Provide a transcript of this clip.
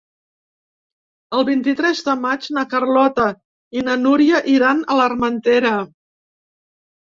El vint-i-tres de maig na Carlota i na Núria iran a l'Armentera.